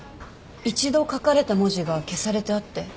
一度書かれた文字が消されてあって。